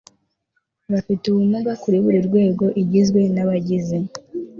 bafite ubumuga kuri buri rwego igizwe n abagize